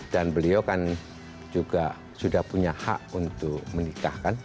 dan beliau kan juga sudah punya hak untuk menikah kan